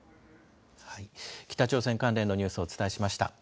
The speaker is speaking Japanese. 北朝鮮関連のニュースをお伝えしました。